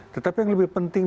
tetapi yang lebih penting